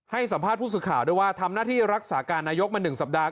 ให้สัมภาษณ์ผู้สื่อข่าวด้วยว่าทำหน้าที่รักษาการนายกมา๑สัปดาห